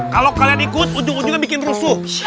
kalau kalian ikut ujung ujungnya bikin rusuh